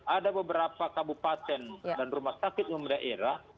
ada beberapa kabupaten dan rumah sakit umum daerah